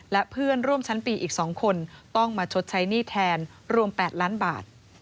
และเพื่อนร่วมชั้นปีอีก๒คนต้องมาชดใช้หนี้แทนรวม๘ล้านบาท